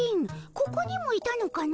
ここにもいたのかの。